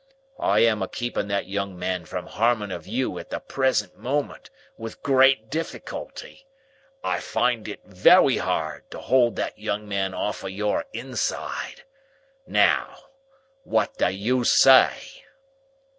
I am a keeping that young man from harming of you at the present moment, with great difficulty. I find it wery hard to hold that young man off of your inside. Now, what do you say?"